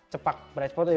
cepak bright spot ya